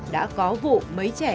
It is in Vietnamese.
đã có vụ mấy trẻ bị